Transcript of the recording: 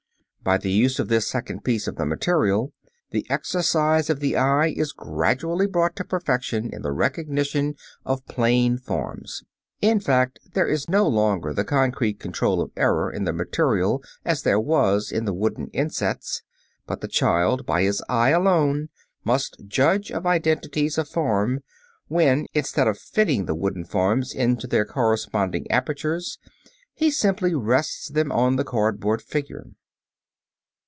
By the use of this second piece of the material, the exercise of the eye is gradually brought to perfection in the recognition of "plane forms." In fact, there is no longer the concrete control of error in the material as there was in the wooden insets, but the child, by his eye alone, must judge of identities of form when, instead of fitting the wooden forms into their corresponding apertures, he simply rests them on the cardboard figure.